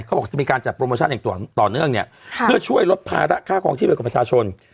บอกจะมีการจัดโปรโมชั่นอย่างต่อเนื่องเนี่ยเพื่อช่วยลดภาระค่าคลองชีพไปกับประชาชน